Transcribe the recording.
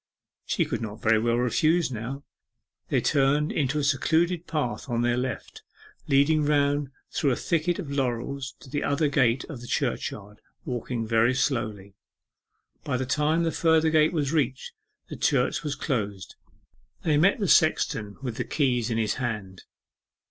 She could not very well refuse now. They turned into a secluded path on their left, leading round through a thicket of laurels to the other gate of the church yard, walking very slowly. By the time the further gate was reached, the church was closed. They met the sexton with the keys in his hand.